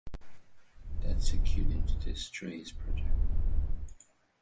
That segued into the "Strays" project.